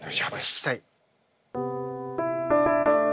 聴きたい。